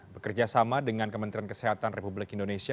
bekerja sama dengan kementerian kesehatan republik indonesia